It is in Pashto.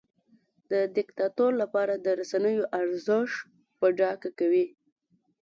د دیکتاتور لپاره د رسنیو ارزښت په ډاګه کوي.